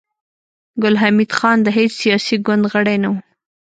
ګل حمید خان د هېڅ سياسي ګوند غړی نه و